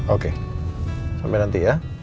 oke sampai nanti ya